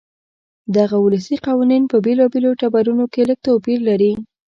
دغه ولسي قوانین په بېلابېلو ټبرونو کې لږ توپیر لري.